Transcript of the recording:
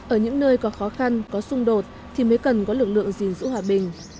ở những nơi có khó khăn có xung đột thì mới cần có lực lượng gìn giữ hòa bình